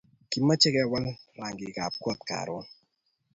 Kimache kewal rangik abb kot karun